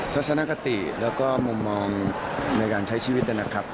ทัศนคติแล้วก็มุมมองในการใช้ชีวิตนะครับ